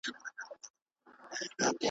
مرګی ظالم دی ژوند بې باوره .